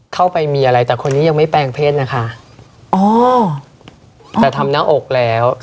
เข้าไปมีอะไรแต่คนนี้ยังไม่แปลงเพศนะคะอ๋อแต่ทำหน้าอกแล้ว